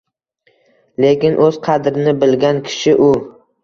Lekin o‘z qadrini bilgan kishi u.